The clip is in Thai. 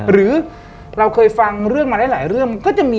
หรือเราเคยฟังเรื่องมาได้หลายเรื่อง